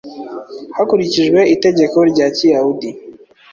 Hakurikijwe itegeko rya Kiyahudi,